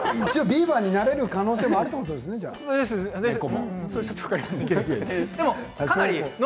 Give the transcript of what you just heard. ビーバーになる可能性もあるということね、ネコも。